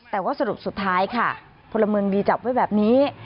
แต่ว่าสรุปสุดท้ายค่ะพลเมืองดีจับไว้แบบนี้